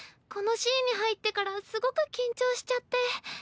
このシーンに入ってからすごく緊張しちゃって。